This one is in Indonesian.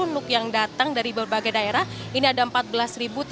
dua belas nuk yang datang dari berbagai daerah ini ada empat belas tiga ratus lima puluh satu